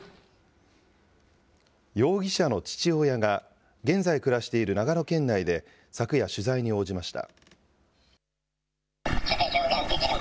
容疑者の父親が、現在、暮らしている長野県内で昨夜、取材に応じました。